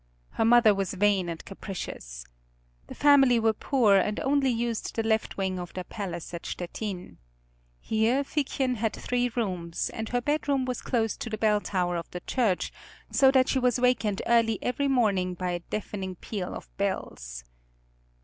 Her mother was vain and capricious. The family were poor and only used the left wing of their palace at Stettin. Here Figchen had three rooms, and her bedroom was close to the bell tower of the church, so that she was wakened early every morning by a deafening peal of bells.